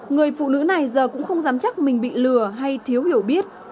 người phụ nữ này giờ cũng không dám chắc mình bị lừa hay thiếu hiểu biết